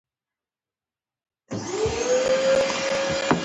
داسې جملې چې ډېرې ساده وې، خو د خلکو پر ذهن درنې لوېدې.